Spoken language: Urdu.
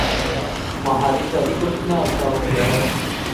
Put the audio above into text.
تمہاری شادی کو کتنا عرصہ ہو گیا ہے؟